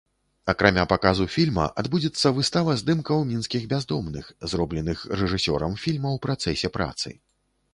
Акрамя паказу фільма адбудзецца выстава здымкаў мінскіх бяздомных, зробленых рэжысёрам фільма ў працэсе працы.